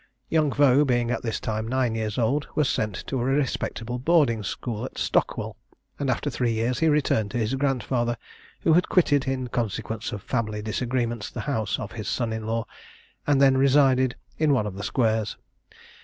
Young Vaux, being at this time nine years old, was sent to a respectable boarding school at Stockwell; and after three years he returned to his grandfather, who had quitted, in consequence of family disagreements, the house of his son in law, and then resided in one of the squares.